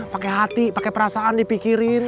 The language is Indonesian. pakai hati pakai perasaan dipikirin